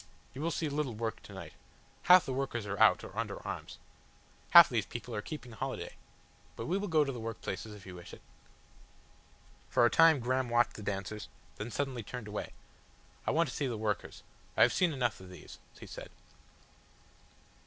"You will see little work to night. Half the workers are out or under arms. Half these people are keeping holiday. But we will go to the work places if you wish it." For a time Graham watched the dancers, then suddenly turned away. "I want to see the workers. I have seen enough of these," he said.